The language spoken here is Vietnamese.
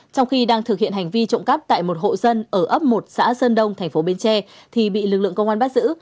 trong khi đang thực hiện hành vi trộm cắp tại một hộ dân ở ấp một xã sơn đông thành phố bến tre thì bị lực lượng công an bắt giữ